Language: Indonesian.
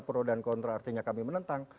pro dan kontra artinya kami menentang